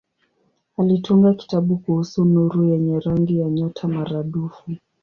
Alitunga kitabu kuhusu nuru yenye rangi ya nyota maradufu.